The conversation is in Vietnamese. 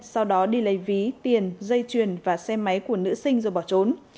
sau đó đi lấy ví tiền dây chuyền và xe máy của nữ sinh rồi bỏ trốn